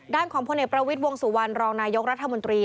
ด้านของพเประวิทย์วงศุวรรณรองนายกรรธมนตรี